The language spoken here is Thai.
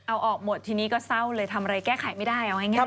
เอาออกหมดทีนี้ก็เศร้าเลยทำอะไรแก้ไขไม่ได้เอาง่าย